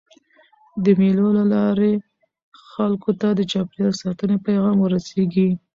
د مېلو له لاري خلکو ته د چاپېریال ساتني پیغام وررسېږي.